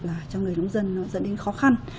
là cho người nông dân nó dẫn đến khó khăn